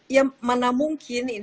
ya mana mungkin ini bisa dilakukan